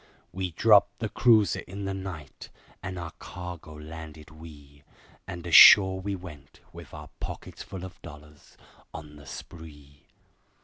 We dropped the cruiser in the night, and our cargo landed we, And ashore we went, with our pockets full of dollars, on the spree.